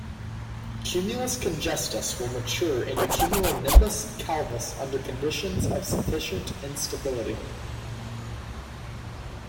Cumulus congestus will mature into cumulonimbus calvus under conditions of sufficient instability.